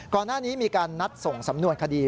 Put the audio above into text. ก่อนหน้านี้มีการนัดส่งสำนวนคดี